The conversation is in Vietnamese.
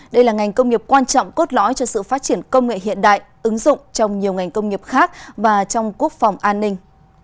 đây là ngành công nghiệp quan trọng cốt lõi cho sự phát triển công nghệ hiện đại ứng dụng trong nhiều ngành công nghiệp khác và trong quốc phòng an ninh